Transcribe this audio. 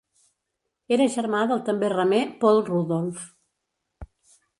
Era germà del també remer Paul Rudolf.